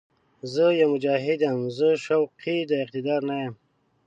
زه يو «مجاهد» یم، زه شوقي د اقتدار نه یم